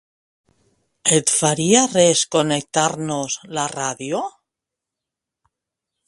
Et faria res connectar-nos la ràdio?